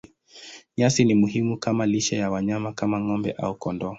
Nyasi ni muhimu kama lishe ya wanyama kama ng'ombe au kondoo.